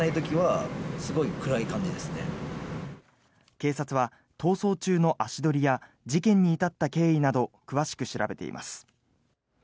警察は逃走中の足取りや事件に至った経緯など詳しく調べています。